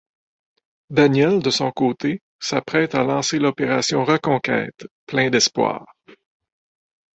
Daniel, de son côté, s'apprête à lancer l'opération reconquête, plein d'espoir.